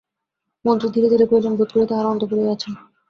মন্ত্রী ধীরে ধীরে কহিলেন, বোধ করি তাঁহারা অন্তঃপুরেই আছেন।